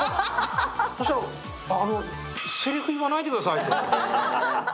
そしたら、せりふ言わないでくださいと。